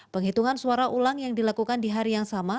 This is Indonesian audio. penghitungan suara ulang yang dilakukan di hari yang sama